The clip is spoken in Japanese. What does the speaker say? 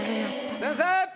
先生！